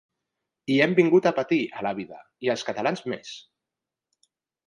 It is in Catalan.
Hi hem vingut a patir, a la vida, i els catalans més!